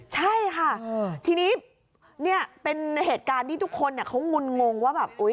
ใช่ค่ะทีนี้เป็นเหตุการณ์ที่ทุกคนก็งุลงงว่า